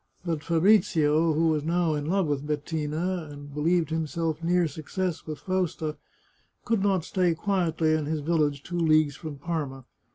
But Fabrizio, who was now in love with Bettina and be lieved himself near success with Fausta, could not stay 243 The Chartreuse of Parma quietly in his village two leagues from Parma.